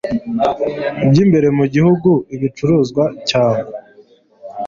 by imbere mu gihugu ibicuruzwa cyangwa